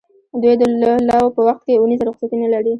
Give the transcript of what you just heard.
دوی د لو په وخت کې اونیزه رخصتي نه لري.